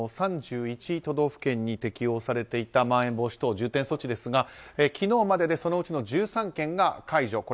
３１都道府県に適用されていたまん延防止等重点措置ですが昨日まででそのうちの１３県が解除。